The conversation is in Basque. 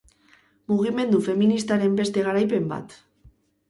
Mugimendu feministaren beste garaipen bat.